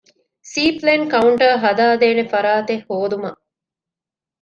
ސީޕްލޭން ކައުންޓަރ ހަދާދޭނެ ފަރާތެއް ހޯދުމަށް